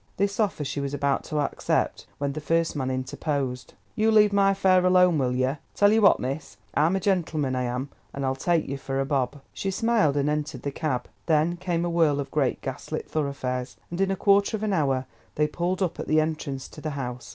This offer she was about to accept when the first man interposed. "You leave my fare alone, will yer? Tell yer what, miss, I'm a gentleman, I am, and I'll take yer for a bob." She smiled and entered the cab. Then came a whirl of great gas lit thoroughfares, and in a quarter of an hour they pulled up at the entrance to the House.